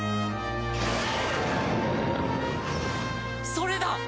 それだ！